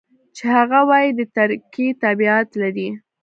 چې هغه وايي د ترکیې تابعیت لري.